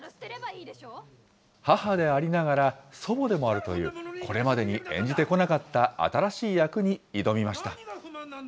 母でありながら、祖母でもあるという、これまでに演じてこなかった新しい役に挑みました。